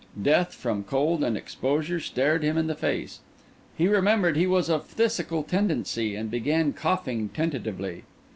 Death from cold and exposure stared him in the face; he remembered he was of phthisical tendency, and began coughing tentatively.